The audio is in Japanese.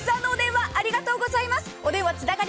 たくさんのお電話ありがとうございます。